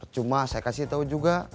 cuma saya kasih tahu juga